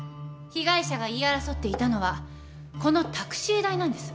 被害者が言い争っていたのはこのタクシー代なんです。